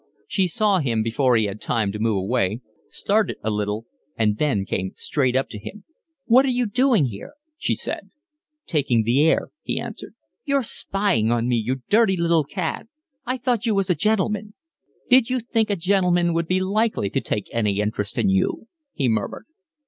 She saw him before he had time to move away, started a little, and then came straight up to him. "What are you doing here?" she said. "Taking the air," he answered. "You're spying on me, you dirty little cad. I thought you was a gentleman." "Did you think a gentleman would be likely to take any interest in you?" he murmured.